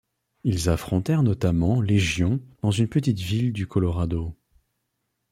Ils affrontèrent notamment Légion dans une petite ville du Colorado.